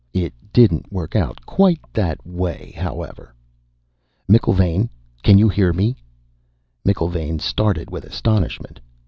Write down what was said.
"It didn't work out quite that way, however...." "McIlvaine, can you hear me?" McIlvaine started with astonishment.